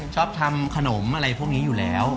ชอบทำขนมอะไรพวกนี้อยู่แล้ว